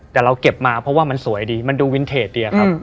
แต่เราเก็บมาเพราะว่ามันสวยดีมันดูวินเทจดีครับ